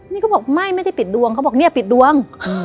นี่เขาบอกไม่ไม่ได้ปิดดวงเขาบอกเนี่ยปิดดวง